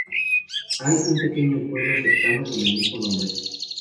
Hay un pequeño pueblo cercano con el mismo nombre.